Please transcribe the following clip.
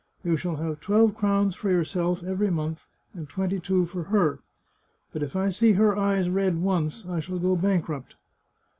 You shall have twelve crowns for yourself every month, and twenty two for her, but if I see her eyes red once I shall go bankrupt."